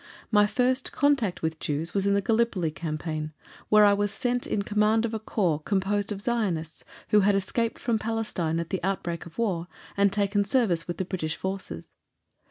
My first contact with Jews was in the Gallipoli campaign, where I was sent in command of a Corps composed of Zionists who had escaped from Palestine at the outbreak of war and taken service with the British Forces.